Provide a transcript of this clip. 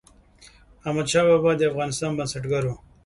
احمدشاه بابا د افغانستان بنسټګر و.